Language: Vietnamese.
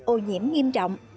ô nhiễm nghiêm trọng